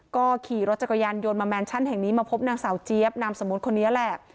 ก็ขี่รถจักรยานยนต์มาแมนชั่นแห่งนี้มาพบนางสาวเจี๊ยบนามสมมุติคนนี้แหละ